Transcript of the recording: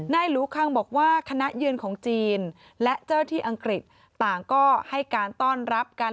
หลูคังบอกว่าคณะเยือนของจีนและเจ้าที่อังกฤษต่างก็ให้การต้อนรับกัน